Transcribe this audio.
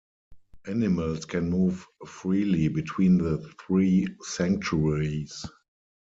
Animals can move freely between the three sanctuaries.